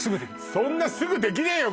そんなすぐできねえよ